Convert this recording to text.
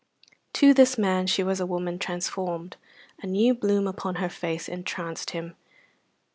To this man she was a woman transformed. The new bloom upon her face entranced him.